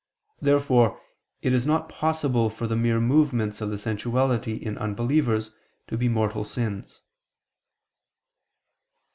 Therefore it is not possible for the mere movements of the sensuality in unbelievers, to be mortal sins.